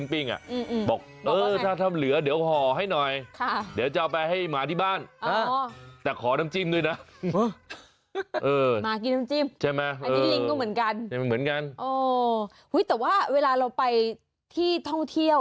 นี่คือก็เป็นเหตือการที่